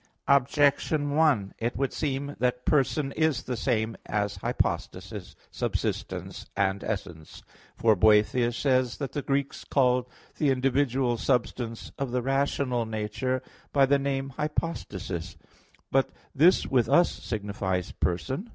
Objection 1: It would seem that "person" is the same as "hypostasis," "subsistence," and "essence." For Boethius says (De Duab. Nat.) that "the Greeks called the individual substance of the rational nature by the name hypostasis." But this with us signifies "person."